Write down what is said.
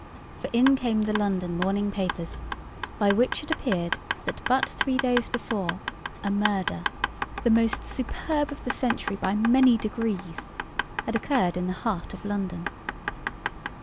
For in came the London morning papers, by which it appeared that but three days before a murder, the most superb of the century by many degrees had occurred in the heart of London.